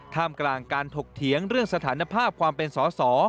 มกลางการถกเถียงเรื่องสถานภาพความเป็นสอสอ